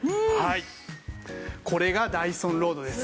これがダイソンロードです。